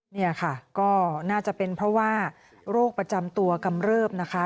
นี่ค่ะก็น่าจะเป็นเพราะว่าโรคประจำตัวกำเริบนะคะ